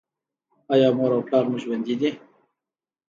ایا مور او پلار مو ژوندي دي؟